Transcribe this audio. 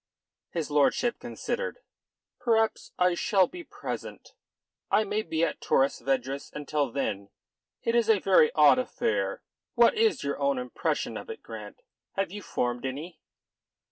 His lordship considered. "Perhaps I shall be present. I may be at Torres Vedras until then. It is a very odd affair. What is your own impression of it, Grant? Have you formed any?"